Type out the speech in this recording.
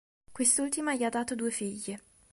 Quest'ultima gli ha dato due figlie.